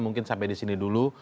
mungkin sampai di sini dulu